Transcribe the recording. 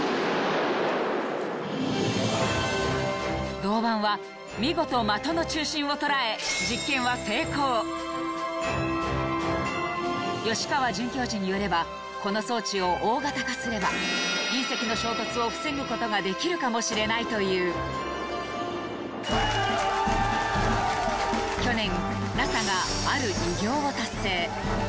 銅板は見事的の中心を捉え実験は成功吉川准教授によればこの装置を大型化すれば隕石の衝突を防ぐことができるかもしれないという去年ＮＡＳＡがある偉業を達成